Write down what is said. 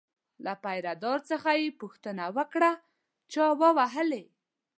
له پیره دار څخه یې پوښتنه وکړه چا ووهلی.